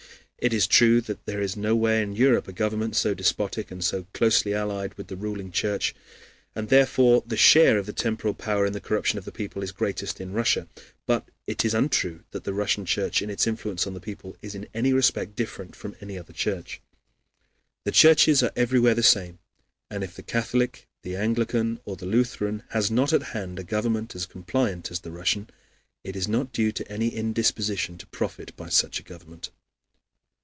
It is true that there is nowhere in Europe a government so despotic and so closely allied with the ruling Church. And therefore the share of the temporal power in the corruption of the people is greatest in Russia. But it is untrue that the Russian Church in its influence on the people is in any respect different from any other church. The churches are everywhere the same, and if the Catholic, the Anglican, or the Lutheran Church has not at hand a government as compliant as the Russian, it is not due to any indisposition to profit by such a government.